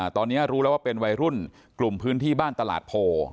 ตอนนี้รู้แล้วว่าเป็นวัยรุ่นกลุ่มพื้นที่บ้านตลาดโพ